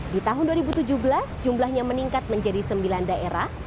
di tahun dua ribu tujuh belas jumlahnya meningkat menjadi sembilan daerah